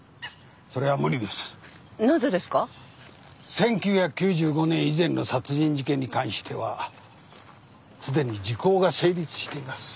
１９９５年以前の殺人事件に関してはすでに時効が成立しています。